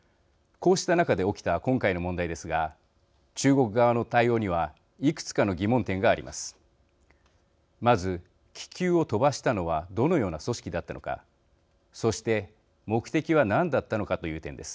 こうした中で起きた今回の問題ですが中国側の対応にはいくつかの疑問点があります。